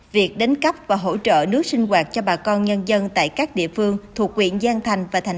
việc đánh cấp và hỗ trợ nước sinh hoạt cho bà con nhân dân tại các địa phương thuộc quyện giang thành